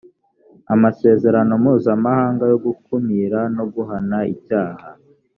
amasezerano mpuzamahanga yo gukumira no guhana icyaha